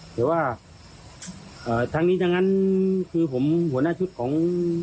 แต่ว่าทั้งนี้ทั้งนั้นคือผมหัวหน้าชุดของ